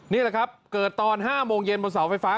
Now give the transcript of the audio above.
นี่แหละครับเกิดตอน๕โมงเย็นบนเสาไฟฟ้า